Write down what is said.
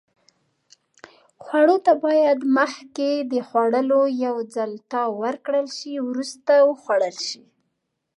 خوړو ته باید مخکې له خوړلو یو ځل تاو ورکړل شي. وروسته وخوړل شي.